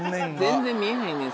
全然見えないんだよ